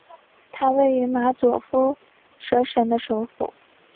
它位于马佐夫舍省的首府。